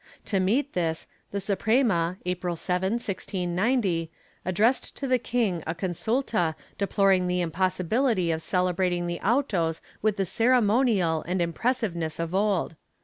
To meet this, the Suprema, April 7, 1690, addressed to the king a consulta deploring the impossibility of celebrating the autos with the ceremonial and impressiveness of old.